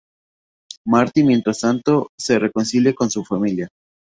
Marty mientras tanto se reconcilia con su familia.